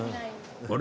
あれ？